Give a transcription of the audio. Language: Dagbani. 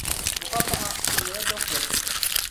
O ka paɣa, O nyɛla dakɔli.